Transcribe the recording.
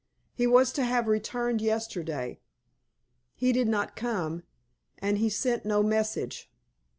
He was to have returned yesterday. He did not come, and he sent no message.